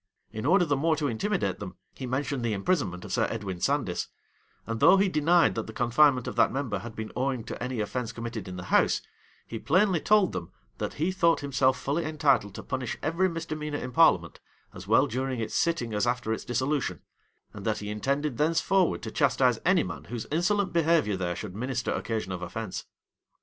In order the more to intimidate them, he mentioned the imprisonment of Sir Edwin Sandys; and though he denied that the confinement of that member had been owing to any offence committed in the house, he plainly told them, that he thought himself fully entitled to punish every misdemeanor in parliament, as well during its sitting as after its dissolution; and that he intended thenceforward to chastise any man whose insolent behavior there should minister occasion of offence.